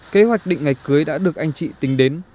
kế hoạch định ngày cưới đã được anh chị tính đến